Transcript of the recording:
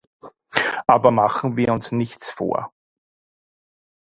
Aber machen wir uns nichts vor!